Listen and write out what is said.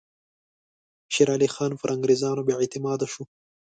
شېر علي خان پر انګریزانو بې اعتماده شو.